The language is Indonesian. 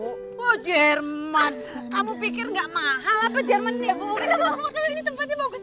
oh jerman kamu pikir gak mahal apa jerman nih ibu